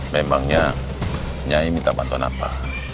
memangnya nyanyi minta bantuan apa